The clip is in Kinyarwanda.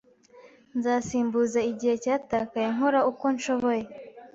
Nzasimbuza igihe cyatakaye nkora uko nshoboye.